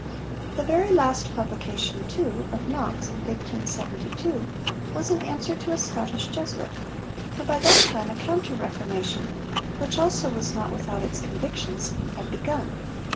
The very last publication, too, of Knox in 1572 was an answer to a Scottish Jesuit; for by that time a counter Reformation, which also was not without its convictions, had begun.